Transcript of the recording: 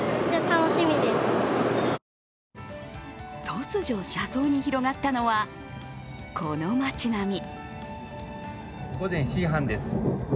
突如、車窓に広がったのはこの町並み。